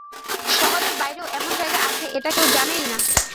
শহরের বাইরেও এমন জায়গা আছে এটা কেউ জানেই না।